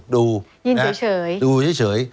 ดูยื่นเฉย